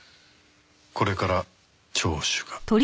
これから聴取が。